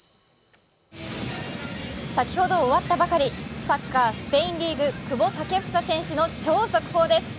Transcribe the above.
先ほど終わったばかり、サッカー・スペインリーグの久保建英選手の超速報です。